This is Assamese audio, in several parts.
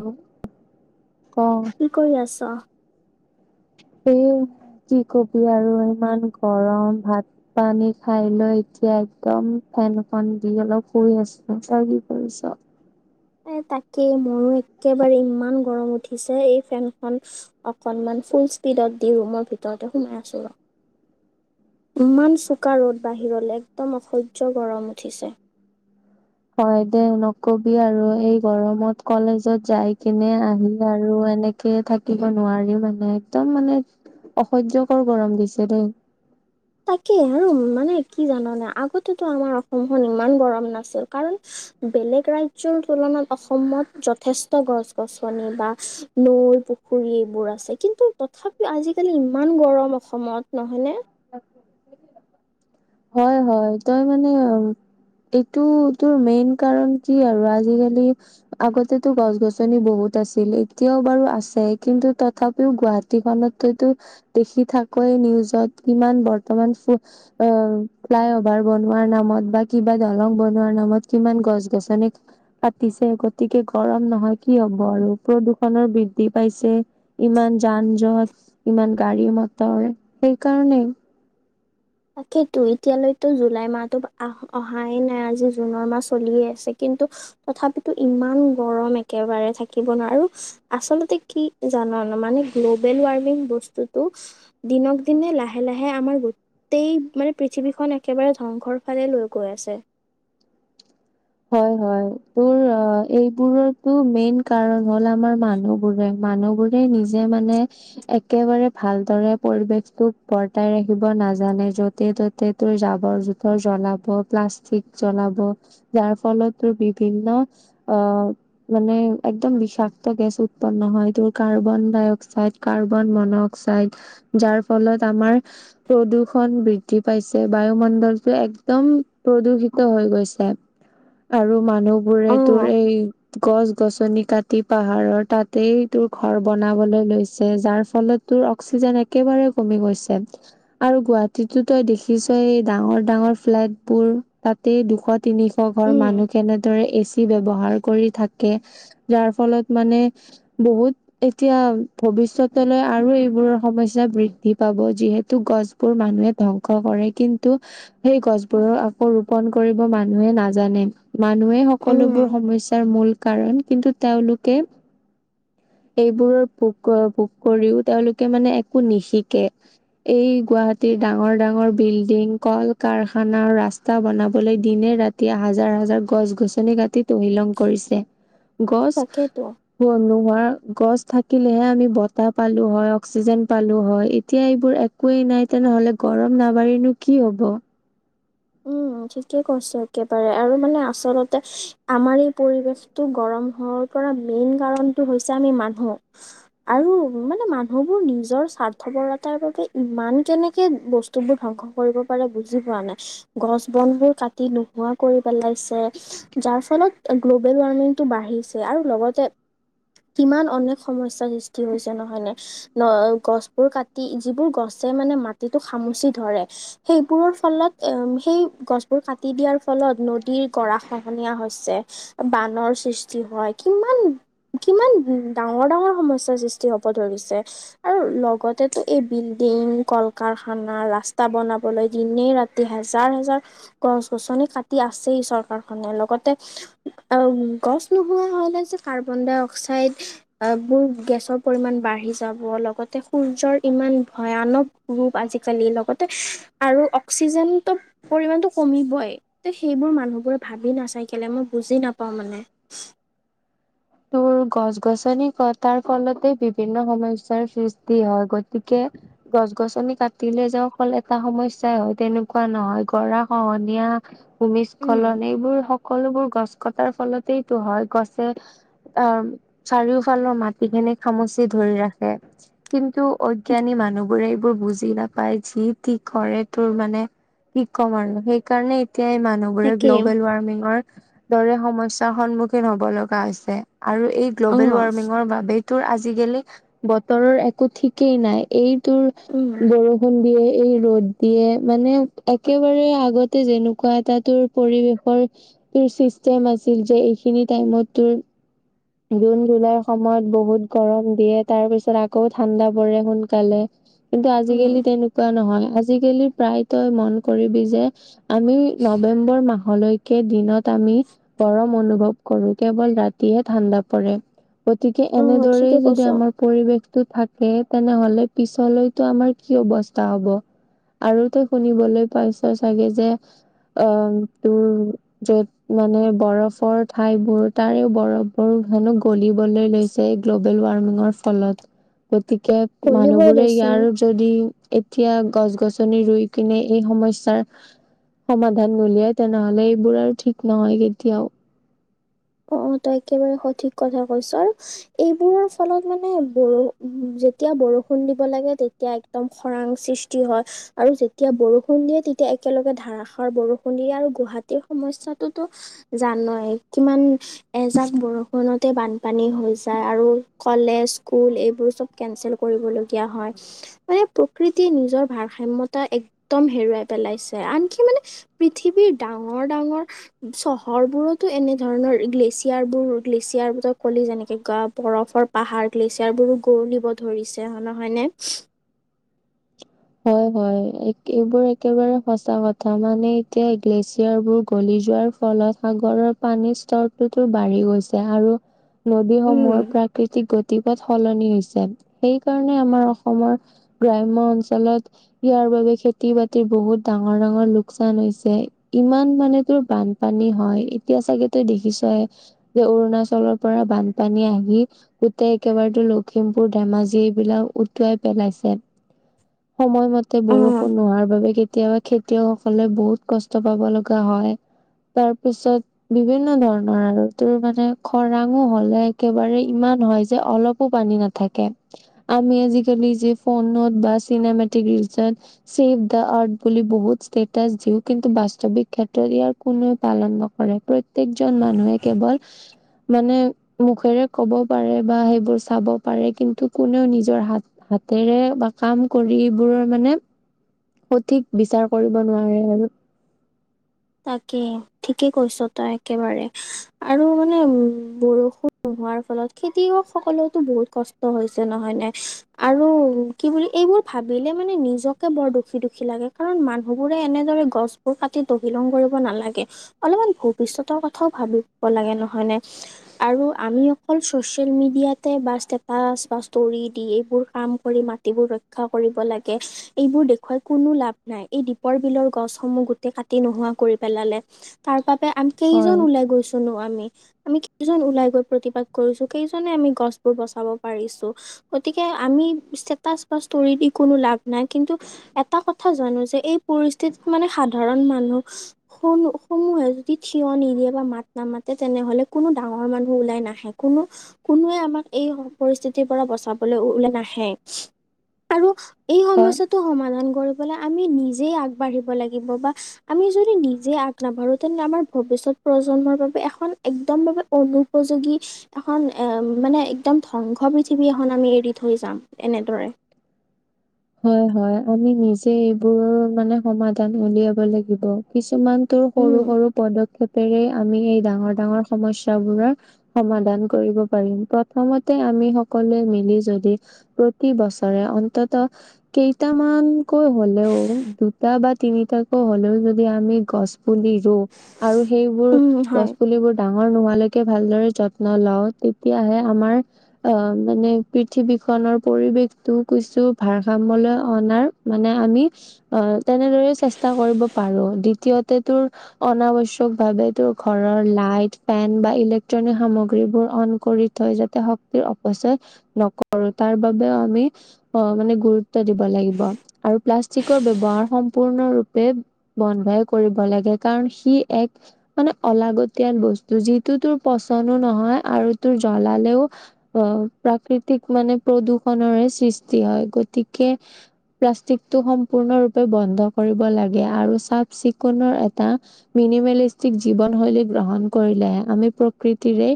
হো? কি কৰি আছ? তেওঁ কি কবি আৰু ইমান গৰম। ভাত-পানী খাই লৈ এতিয়া একদম ফেনখন দি অলপ শুই আছো। তই কি কৰিছ? এ তাকেই মোৰো একেবাৰে ইমান গৰম উঠিছে। এই ফেনখন অকনমান ফুল স্পীডত দি ৰুমৰ ভিতৰতে সোমাই আছোঁ ৰ। ইমান চোকা ৰ'দ বাহিৰলৈ। একদম অসহ্য গৰম উঠিছে। হয় দে নকবি আৰু। এই গৰমত কলেজত যাই কিনে আহি আৰু এনেকে থাকিব নোৱাৰি মানে একদম মানে অসহ্যকৰ গৰম দিছে দেই। তাকে আৰু মানে কি জাননে আগতেতো আমাৰ অসমখন ইমান গৰম নাছিল। কাৰণ বেলেগ ৰাজ্যৰ তুলনাত অসমত যথেষ্ট গছ-গছনি বা নৈ পুখুৰী এইবোৰ আছে। কিন্তু তথাপিও আজিকালি ইমান গৰম অসমত নহয়নে? হয় হয়। তই মানে এইটো তোৰ মেইন কাৰণ কি আৰু আজিকালি আগতেতো গছ-গছনি বহুত আছিল। এতিয়াও বাৰু আছে। কিন্তু তথাপিও গুৱাহাটীখনত তইতো দেখি থাকই। নিউজত কিমান বৰ্তমান ফো ফ্লাইঅভাৰ বনোৱাৰ নামত বা কিবা দলং বনোৱাৰ নামত কিমান গছ-গছনি কাটি গতিকে গৰম নহয় কি হ'ব আৰু। প্ৰদূষণৰ বৃদ্ধি পাইছে। ইমান যান যঁত ইমান গাড়ী-মটৰ সেইকাৰণেই। তাকেইটো এতিয়ালৈতো জুলাই মাহতো আহ অহাই নাই। আজি জুনৰ মাহ চলিয়ে আছে কিন তথাপিতো ইমান গৰম একেবাৰে থাকিব নোৱাৰো। আৰু আচলতে কি জান মানে গ্ল'বেল ৱাৰ্মিং বস্তুতো দিনক-দিনে লাহে লাহে আমাৰ গোটেই মানে পৃথিৱীখন একেবাৰে ধ্বংসৰ ফালে লৈ গৈ আছে। হয় হয়। তোৰ আ এইবোৰৰতো মেইন কাৰণ হল আমাৰ মানুহবোৰে। মানুহবোৰে নিজে মানে একেবাৰে ভালদৰে পৰিৱেশটো বৰ্তাই ৰাখিব নাজানে। য'তে-ত'তে তোৰ জাবৰ-জোথৰ জ্বলাব, প্লাষ্টিক জ্বলাব। যাৰ ফলত তোৰ বিভিন্ন অ', মানে একদম বিষাক্ত গেছ উৎপন্ন মই তোৰ কাৰ্বন ডাইঅক্সাইড, কাৰ্বন মন'অক্সাইড যাৰ ফলত আমাৰ প্ৰদূষণ বৃদ্ধি পাইছে। বায়ুমণ্ডলটো একদম প্ৰদূষিত হৈ গৈছে। আৰু মানুহ বোৰে অ তোৰ এই গছ গছনি কাটি পাহাৰৰ তাতেই তোৰ ঘৰ বনাবলৈ লৈছে যাৰ ফলত তোৰ অক্সি জেন একেবাৰে কমি গৈছে আৰু গুৱাহাটীতটো দেখিছই ডাঙৰ-ডাঙৰ ফ্লেট বোৰ তাতেই দুশ -তিনিশ ঘৰ উম মানুহ কেনেদৰে এচ চি ব্যৱহাৰ কৰি থাকে যাৰ ফলত মানে বহুত এতিয়া ভব ৱিষ্যতলৈ আৰু এইবোৰৰ সমস্যা বৃদ্ধি পাব যিহেতু গছবোৰ মানুহে ধ্বংস কৰে কিন্তু সেই গছবোৰৰ আকৌ ৰোপন কৰিব মানুহে নাজ জানে। মানুহে উম সকলোবোৰ সমস্যাৰ মূল কাৰণ। কিন্তু তেওঁলোকে [inaudible] এইবোৰৰ ভোগ কৰ ভোগ কৰিও তেওঁলোকে মানে একো নিশিকে। এই গুৱাহাটীৰ ডাঙৰ ডাঙৰ বিল্ডিং, কল-কাৰখানা, ৰাস্তা, বনাবলে দিনে-ৰাত এতিয়া হাজাৰ হাজাৰ গছ-গছনি কাটি তহিলং কৰিছে। গছ তাকেইতো [unintelligible] ধৰা গছ থাকিলেহে আমি বতাহ পালো হয়, অক্সিজেন পালো হয়। এতিয়া এইবোৰ একোৱেই নাই তেনেহ'লে গৰম না বাঢ়িনো কি হ'ব? উম, ঠিকে কৈছ একেবাৰে আৰু মানে আচলতে আমাৰ এই পৰিবেশটো গৰম হ হৈ পৰা মেইন কাৰণটো হৈছে আমি মানুহ আৰু মানে মানুহবোৰ নিজৰ স্বা ৰ্থবৰতাৰ বাবে ইমান কেনেকে বস্তুবোৰ ধ্বংস কৰিব পাৰে বুজি পোৱা নাই গছ বনবোৰ কাটি নোহোৱা কৰি পেলাইছে যাৰ ফলত গ্ল'বেল ৱাৰ্মিং টো বাঢ়ি গৈছে আৰু লগতে কিমান অনেক সমস্যাৰ সৃষ্টি হৈছে নহয় নে ন' গছবোৰ কাটি যিবোৰ গছ যে মানে মাটিটো সামুচি ধৰে সেইবোৰৰ ফলত এম সেই গছবোৰ কাটি দিয়াৰ ফলত নদীৰ গৰা খহনীয়া হৈছে এ বানৰ সৃষ্টি হয় কিমান-কিমান ডাঙৰ-ডাঙৰ সমস্যাৰ সৃষ্টি হব ধৰিছে আৰু ল লগতেটো এই বিল্ডিং, কল-কাৰখানা ৰাস্তা বনাবলৈ দিনে ৰাতি হে জাৰ-হেজাৰ গছ-গছনি কাটি আছেই চৰকাৰখনে লগতে গছ [unintelligible] কাৰ্বন ডাই অক্সাইড এ [unintelligible] গেছৰ পৰিমাণ বাঢ়ি যাব লগত সূৰ্যৰ ইমান ভয়ানক ৰূপ আজিকালি লগতে আৰু অক্সিজেন ত পৰিমাণটো কমিবই তে সেইবোৰ মানুহবোৰে ভাবি নাচাই কেলে মই বুজি নাপাওঁ মানে [unintelligible] তো গছ গছনি কটাৰ ফলতে বিভিন্ন সমস্যাৰ সৃষ্টি হয় গতিকে গছ গছনি কাটিল যে অকল এটা সমস্যাই হয় তেনেকুৱা নহয় গৰা খহনীয়া উম ভূমিস্খলন এইবোৰ সকলোবোৰ গছ কটাৰ ফলতেইটো হয় গছে অ চাৰিওফালৰ মাটিখিনি খামুচি ধৰি ৰাখে কিন্তু অজ্ঞানী মানুহবোৰে বুজি নাপায় যি কি কৰে তোৰ মানে কি কম আৰু সেইকাৰণে এতিয়াই মানুহবোৰে তাকেই গ্ল'বেল ৱাৰ্মিঙৰ দৰে সমস্যাৰ সন্মুখীন হব লগা আছে। আৰু এই অ গ্ল'বেল ৱাৰ্মিঙৰ বাবেই তোৰ আজিকালি বতৰৰ একো ঠিকেই নাই এইটোোৰ উম বৰষুণ দিয়ে এই ৰ'দ দিয়ে মানে একেবাৰে আগতে যেনেকুৱা এটা তোৰ পৰিৱেশৰ তোৰ চিষ্টেম আছিল যে এইখিনি টাইমত তোৰ জুন জুলাইৰ সময়ত বহুত গৰম দিয়ে তাৰ পিছত আকৌ ঠাণ্ডা পৰে সোনকালে। কিন্তু উম আজিকালি তেনেকুৱা নহয় আজিকালি প্ৰায় তই মন কৰিবি যে আমি নৱেম্বৰ মাহলৈকে দিনত আমি গৰম অনুভৱ কৰো কেৱল ৰাতি হে ঠাণ্ডা পৰে গতিকে অ এনেদৰেই ঠিকে যদি কৈছ আমাৰ পৰিৱেশতটো থাকে। তেনেহলে পিছলৈতো আমাৰ কি অৱস্থা হব। আৰু তই শুনিবলৈ পাইছ চাগে যে অ, তোৰ য'ত মানে বৰফৰ ঠাইবোৰ তাৰে বৰফবোৰ হেনো গলিবলৈ লৈছে এই গ্ল'বেল ৱাৰ্মিঙৰ ফলত গতিকে কলিবই মানুহবোৰে দেচোন ইয়াৰ যদি এতিয়া গছ গছনি ৰুই কিনে এই সমস্যাৰ সমাধান নোলিয়াই তেনেহলে এইবোৰ আৰু ঠিক নহয় কেতিয়াও অ তই একেবাৰে সঠিক কথা কৈছ আৰু এইবোৰৰ ফলত মানে ব যেতিয়া বৰষুণ দিব লাগে তেতিয়া একদম খৰাং সৃষ্টি হয় আৰু যেতিয়া বৰষুণ দিয়ে তেতিয়া একেলগে ধাৰাসাৰ বৰষুণ দিয় আৰু গুৱাহাটীৰ সমস্যটো জানয়ই কিমান এজাক বৰষুণতে বানপানী হৈ যায় আৰু কলেজ স্কুল এইবোৰ চব কেচেল কৰিবলগীয়া হয় মানে প্ৰকৃতিয়ে নিজৰ ভাৰসাম্য়তা একদম হেৰুৱাই পেলাই, ছে আনকি মানে পৃথিৱীৰ ডাঙৰ ডাঙৰ চহৰ বোৰতো এনে ধৰণৰ, গ্লেছিয়াৰ বোৰ গ্লেছিয়াৰোৰ ক'লি যেনেকে গ বৰফৰ পাহাৰ গ্লেছিয়াৰ বোৰো গৰুলিব ধৰিছে নহয়নে হয় হয় এইবোৰ একেবাৰে সঁচা কথা মানে এতিয়া গ্লেচিয়াৰ বোৰ গলি যোৱা। ফলত সাগৰৰ পানীৰ স্তৰটোতো বাঢ়ি গৈছে আৰু উম। নদীসমূহৰ প্ৰাকৃতিক গতি, সলনি হৈছে সেই কাৰণে আমাৰ অসমৰ গ্ৰাম্য অঞ্চল ত ইয়াৰ বাবে খেতি বাতিৰ বহুত ডাঙৰ ডাঙৰ লোকচান হৈছে ইমান মানে বানপানী হয় এতিয়া চাগে তই দেখিছই যে অৰুণাচলৰ পৰা বানপানী আহি গোটেই একেবাৰেতো লখিমপুৰ ধেমাজি এইবিলাক উটুৱাই পেলাইছে। [inaudible] সময়মতে অ বৰষুণ নোহোৱাৰ বাবে কেতিয়াবা খেতিয়কসকলে বহুত কষ্ট পাব লগা হয়। তাৰ পিছত বিভিন্ন ধৰণৰ আৰু তোৰ মানে খৰাঙো হলে একেবাৰে ইমান নহয় যে অলপো পানী নাথাকে আমি আজিকালি যি ফোনত বাছ, চিনেমেটিক ৰিজন চছেভ দা আৰ্ট বুলি বহুত ষ্টেছ দিও কিন্তু বাস্তৱিক ক্ষেত্ৰত য়াৰ কোনোৱ পালন নকৰে প্ৰত্য়েকজন মানুহে কেৱল মানে মুখেৰে ক'ব পাৰে বা সেইবোৰ চাব পাৰে কিন্তু কোনেও নিজৰ হাত হাত তেৰে বাকাম কৰিবোৰৰ মানে সঠিক বিচাৰ কৰিব নোৱাৰে আৰু তাকে ঠিকেই কৈছ তই একেবাৰে আৰু মানে উ বৰষুণ হোৱাৰ ফলত খেতিয়কসকলেতো বহুত কষ্ট হৈছে নহয় নাই আৰু কি বুলি এইবোৰ ভাবিলে মানে নিজকে বৰ দুখী দুখী লাগে কাৰণ মানুহবোৰে এনেদৰে গছবোৰ কাটি বিলং কৰিব নালাগে অলপমান ভৱিষ্যতৰ কথাও ভাবিব লাগে নহয় নে আৰু আমি অকল চচিয়েল মিডিয়াতে বা ষ্টেটাচ বা ষ্টৰি দি এইবোৰ কাম কৰি মাটিবোৰ ৰ ৰক্ষা কৰিব লাগে এইবোৰ দেখুৱাই কোনো লাভ নাই এই দীপৰ বিলৰ গছসমূহ গোটেই কাটি তি নোহোৱা কৰি পেলালে তাৰ বাবোবে আমি হয় কেইজন ওলাই গৈছো নো আমি আমি কেইজন ওলাই গৈ প্ৰতিবাদ কৰিছো কেইজনে আমি গছ বোৰ বচাব পাৰিছো গতিকে আমি ষ্টে বা ষ্ট দি কোনো লাভ নাই কিন্তু এটা কথা জানো যে এই পৰিস্থিতি মানে সাধাৰণ মানুহ সমূহে যদি থিয় নিদিয়ে বা মাত নামাতে তেনেহলে কোনো ডাঙৰ মানুহ ওলাই নাহে কোনো কোনোৱে আমাক এই পৰিস্থিতিৰ পৰা বচাবলৈ ওল নাহে আৰু এই হয় সমস্য়াটো সমাধান কৰিবলৈ আমি নিজেই আগবাঢ়িব লাগিব বা আমি যদি নিজে আগ নভাৰো তেন্তে আমাৰ ভৱিষ্যত প্ৰজন্মৰ বাবে এখন একদম অনুপ যোগী এখন এ মানে একদম ধ্বংস পৃথিৱী এখন আমি এৰি থৈ যাম এনেদৰে [unintelligible] হয় হয় আমি নিজে এইবোৰ মানে সমাধান উলিয়াব লাগিব কিছুমান সৰু উম সৰু পদক্ষেপ আমি এই ডাঙৰ ডাঙৰ সমস্যা বোৰৰ সমাধান কৰিব পাৰিম প্ৰথমতে আমি সকলে মিলি যদি প্ৰতি বছৰে অন্তত কেইটামানকৈ হ'লেও দুটা বা তিনিটাকৈ হলেও যদি আমি গছ পুলি ৰু আৰু সেইবোৰ উম গছ হয় পুলিবোৰ ডাঙৰ নোহালৈক কে ভালদৰে যত্ন লও তেতিয়াহে আমাৰ আহ মানে পৃথিৱীখনৰ পৰি [unintelligible] ভাৰসাম্যলৈ অনাৰ মানে আমি অ তেনেদৰে চেষ্টা কৰিব পাৰো দ্বিতীয় তোৰ অনাব্যশ্কভাৱে তোৰ ঘৰৰ লাইট ফেন বা ইলেক্ট্ৰনিক সামগ্ৰীবোৰ অন কৰি থৈ যাতে শক্তিৰ অপচয় নকৰো তাৰ বাবেও আমি অ মানে গুৰুত্ব দিব লাগিব আৰু প্লাষ্টিকৰ ব্যৱহাৰ সম্পূৰ্ণৰূপে বন্ধ। কৰিব লাগে কাৰণ সি এক মানে অলাগতিয়াল বস্তু যিটো তোৰ পচন্দো নহ আৰু তোৰ জ্বলালেও অ প্ৰাকৃতিক মানে প্ৰদূষণৰে সৃষ্টি হয় গতিকে প্লাষ্টিকটো সম্পূৰ্ণৰূপে বন্ধ কৰিব লাগে আৰু চাফ চিকুণৰ এটা নিমিলিষ্টিক জীৱন শৈলী গ্ৰহণ কৰিলেহে আমি প্ৰকৃতিৰে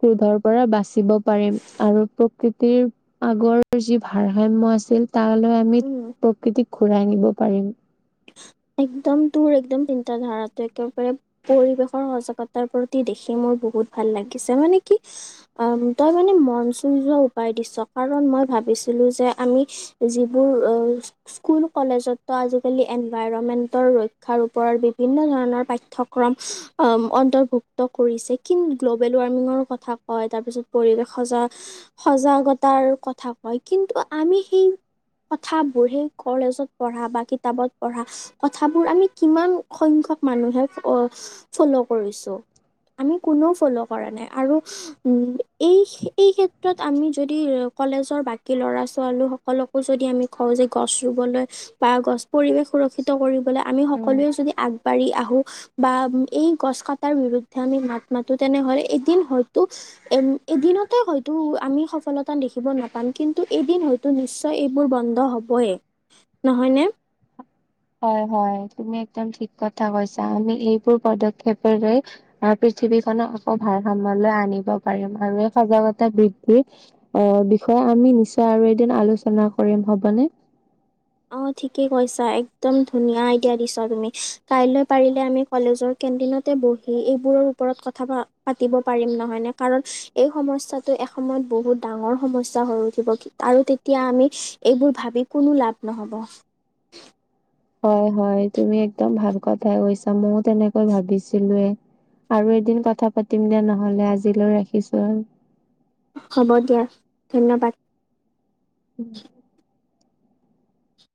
ক্ৰোধৰ পৰা বাচ বাচিব পাৰিম আৰু প্ৰকৃতিৰ আগৰ যি ভাৰসাম্য আছিল তালৈ আমি উম প্ৰকৃতিক ঘূৰাই নিব পাৰিম একদম তোৰ একদম তিটা ধাৰাতটো একেবাৰে পৰিৱেশৰ সজাগতাৰ প্ৰতি দেখি মোৰ বহুত ভাল লাগিছে মানে কি তই মানে মন চুই যোৱা উপায় দিছ। কাৰণ মই ভাবিছিলো যে আমি যিবোৰ স্কুল কলেজত আজি কালি [unintelligible] ৰক্ষাৰ ওপৰত বিভিন্ন ধৰণৰ পাঠ্যক্ৰম অৰ্ভুক্ত কৰি। গ্ল'বেল ৱাৰ্মিঙৰ কথা কয় তাৰপিছত সজাগতাৰ কথা কয় কিন্তু আমি সেই কথাবোৰ সেই কলেজত পঢ়া বা কিতাপত। পঢ়া কথাবোৰ আমি কিমান সংখ্যক মানুহে ফল' কৰিছো? আমি কোনেও ফ'ল' কৰা নাই আৰু এই এই ক্ষেত্ৰত আমি যদি কলেজৰ বাকী ল'ৰা ছোৱালী সকলকো যদি আমি কওঁ যে গছ ৰুবলৈ বা গছ পৰিবেশ সুৰক্ষিত কৰিবলৈ আমি উম। সকলোৱে যদি আগবাঢ়ি আহো বা এই গছ কটাৰ বিৰুদ্ধে। মাত মাতো তেনেহলে এদিন হয়তো এদিনতে হয়তো আমি সফলতা দেখিব নাপাম কিন্তু এদিন হয়তো নিশ্চয় এইবোৰ বন্ধ হবয়ে নহয়নে? হয় হয় তুমি একদম ঠিক কথা কৈছা আমি এইবোৰ পদক্ষেপেৰে পৃথিৱীখনক আকৌ ভালসাম্যলৈ আনিব পাৰিম। আৰু এই সজাগতা বৃদ্ধি আহ বিষয় আমি নিশ্চয় আৰু এদিন আলোচনা কৰিম হ'বনে? [inaudible] অ ঠিকেই কৈছা একদম ধুনীয়া আইডিয়া দিছা তুমি কাইলৈ পাৰিলে আমি কলেজৰ কেণ্টিনতে বহি এইবোৰৰ ওপৰত কথা পাতিব পাৰিম নহয় নে কাৰণ এই সমস্যাটো এসময়ত বহুত ডাঙৰ সমস্যা হৈ উঠিব আৰু তেতিয়া আমি এইবোৰ ভাবি কোনো লাভ নহ'ব। হয় হয় তুমি একদম ভাল কথাই কৈছা ময়ও তেনেকৈ ভাবিছিলোৱে। আৰু এদিন কথা পাতিম দো নহলে আজিলৈ ৰাখিছো আৰু। হ'ব দিয়া ধন্যবাদ। [unintelligible]